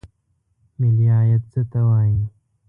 ملي عاید څه ته وایي؟